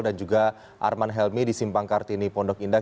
dan juga arman helmi di simpang kartini pondok indah